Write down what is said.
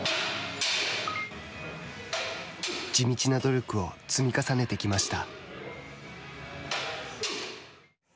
地道な努力を積み重ねてきました。